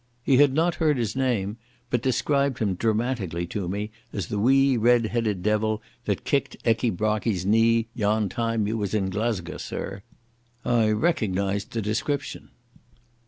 He had not heard his name, but described him dramatically to me as "the wee red headed devil that kicked Ecky Brockie's knee yon time in Glesca, sirr," I recognised the description.